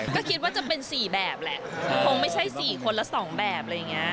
ก็คิดว่าจะเป็น๔แบบแหละคงไม่ใช่๔คนละ๒แบบอะไรอย่างนี้